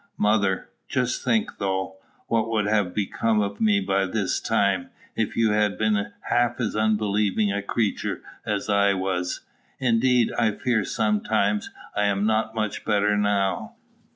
Mother. Just think, though, what would have become of me by this time, if you had been half as unbelieving a creature as I was. Indeed, I fear sometimes I am not much better now.